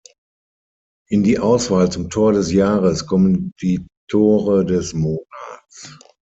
In die Auswahl zum Tor des Jahres kommen die Tore des Monats.